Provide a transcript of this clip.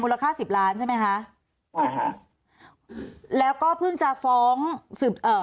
มูลค่าสิบล้านใช่ไหมคะอ่าฮะแล้วก็เพิ่งจะฟ้องเอ่อ